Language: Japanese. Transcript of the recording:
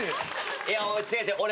いやもう違う違う俺。